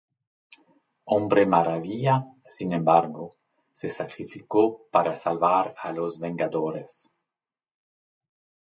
Hombre Maravilla, sin embargo, se sacrificó para salvar a los Vengadores.